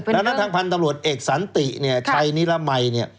แล้วนั้นทางพันธุ์ตำรวจเอกสันติชัยนิรมัย